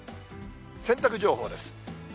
洗濯情報です。